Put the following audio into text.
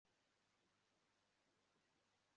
rusufero ntabwo yabwiye jabo inkuru yose